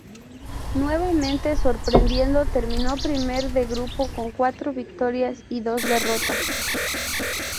Nuevamente, sorprendiendo terminó primer de grupo, con cuatro victorias y dos derrotas.